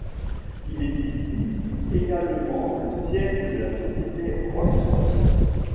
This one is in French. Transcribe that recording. Il édifie également le siège de la société Rolls-Royce.